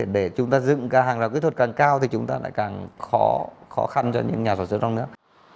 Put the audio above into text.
để chúng ta dựng cái hàng rào kỹ thuật càng cao thì chúng ta lại càng khó khăn cho những nhà sản xuất trong nước